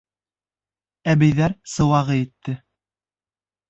Әбейҙәр сыуағы етте